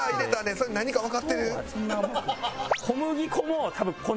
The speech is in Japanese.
それ何かわかってる？